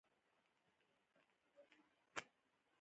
د غزنویانو او سلجوقیانو تر منځ د جنګ لامل څه و؟